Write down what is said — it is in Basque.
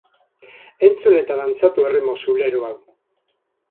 Entzun eta dantzatu erritmo soulero hau!